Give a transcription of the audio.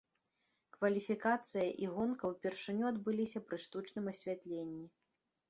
Кваліфікацыя і гонка ўпершыню адбыліся пры штучным асвятленні.